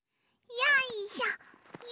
よいしょ。